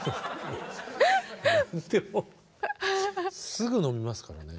すぐのみますからね。